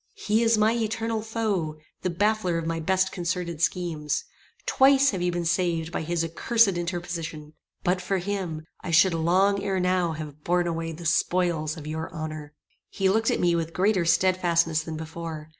"He is my eternal foe; the baffler of my best concerted schemes. Twice have you been saved by his accursed interposition. But for him I should long ere now have borne away the spoils of your honor." He looked at me with greater stedfastness than before.